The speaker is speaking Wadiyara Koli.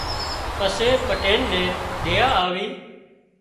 پسي پٽيل نين ۮيا آوي